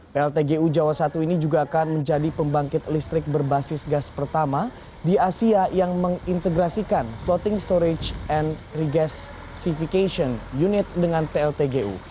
pltgu jawa i ini juga akan menjadi pembangkit listrik berbasis gas pertama di asia yang mengintegrasikan floating storage and regest civication unit dengan pltgu